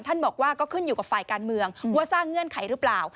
บอกว่าก็ขึ้นอยู่กับฝ่ายการเมืองว่าสร้างเงื่อนไขหรือเปล่า